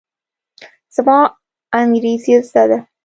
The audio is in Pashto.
زما انګرېزي زده ده.